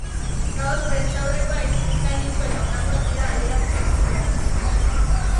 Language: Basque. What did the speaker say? Gaur prentsaurrekoa eskaini du eta honakoak dira adierazpen esanguratsuenak.